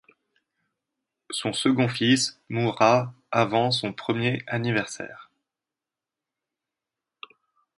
Son second fils mourra avant son premier anniversaire.